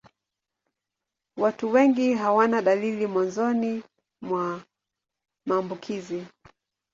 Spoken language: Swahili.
Watu wengi hawana dalili mwanzoni mwa maambukizi.